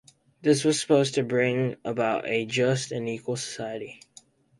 This was supposed to bring about a just and equal society.